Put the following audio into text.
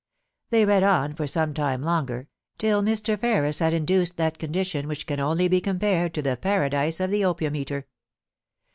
They read on for some time longer, till Mr. Ferris had induced that condition which can only be compared to the paradise of the opium eater.